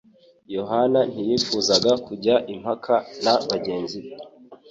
Yohana ntiyifuzaga kujya impaka na bagenzi be